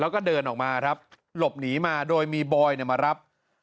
แล้วก็เดินออกมาครับหลบหนีมาโดยมีบอยมารับ